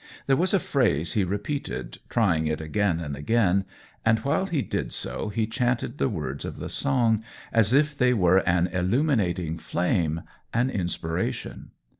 There was a phrase he repeated, trying it again and again, and while he did so he chanted the words of the song as if they were an illumi nating flame, an inspiration.